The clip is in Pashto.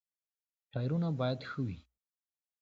ټایرونه باید ښه وي.